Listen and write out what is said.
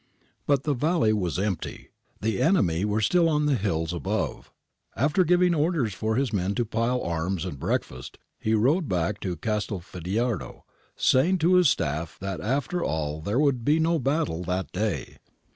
But the valley was empty. The enemy were still on the hills above. After giving orders for his men to pile arms and breakfast, he rode back to Castelfidardo, saying to his staff that after all there would be no battle that day.